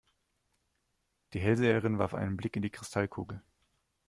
Die Hellseherin warf einen Blick in die Kristallkugel.